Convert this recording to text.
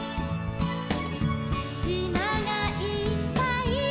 「しまがいっぱい」